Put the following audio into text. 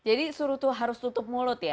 jadi suruh itu harus tutup mulut ya